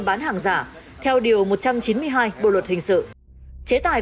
bao tiền một khay này đây